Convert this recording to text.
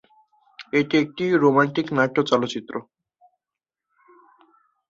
এটি একটি রোমান্টিক নাট্য চলচ্চিত্র।